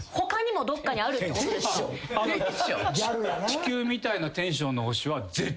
地球みたいなテンションの星は。